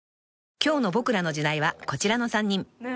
［今日の『ボクらの時代』はこちらの３人］